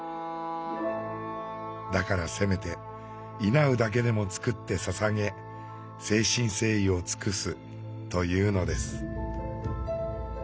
だからせめてイナウだけでも作って捧げ誠心誠意を尽くすというのです。